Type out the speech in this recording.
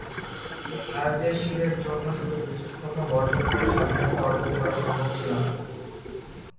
আরদেশিরের জন্য শুধু ব্রিটিশ পণ্য বর্জন করে স্বাধীনতা অর্জন করা সম্ভব ছিল না।